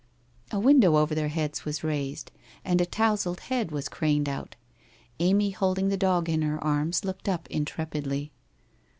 ' A window over their heads was raised, and a touzled head was craned out. Amy holding the dog in her arms, looked up intrepidly.